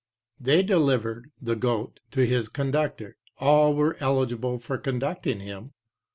They delivered (the goat) to his conductor. All were eligible for conducting him.